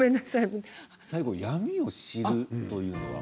最後、闇を知るというのは？